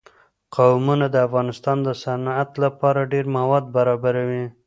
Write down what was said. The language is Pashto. قومونه د افغانستان د صنعت لپاره ډېر مواد برابروي.